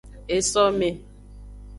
Esome.